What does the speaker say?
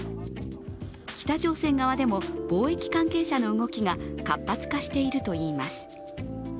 北朝鮮側でも貿易関係者の動きが活発化しているといいます。